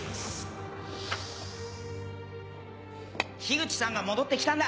口さんが戻って来たんだ